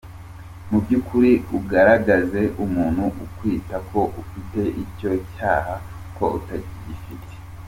Mu by’ukuri, ugaragaze umuntu ukwita ko ufite icyo cyaha ko utagifite.